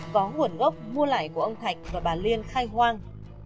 có nguồn gốc mua lại của ông thạch và bà liên khai hoang